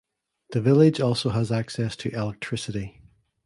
The village also has access to electricity.